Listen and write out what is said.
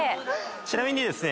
ちなみにですね